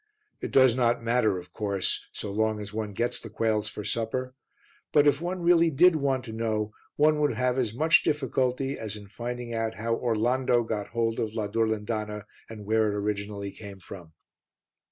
It does not matter, of course, so long as one gets the quails for supper, but if one really did want to know, one would have as much difficulty as in finding out how Orlando got hold of la Durlindana and where it originally came from.